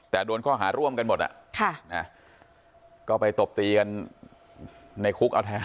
แต่โดนข้อหาร่วมกันหมดก็ไปตบตีกันในคุกเอาแท้